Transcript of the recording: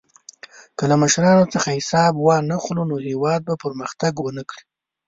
که له مشرانو څخه حساب وانخلو، نو هېواد به پرمختګ ونه کړي.